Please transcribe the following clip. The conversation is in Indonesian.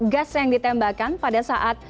gas yang ditembakkan pada saat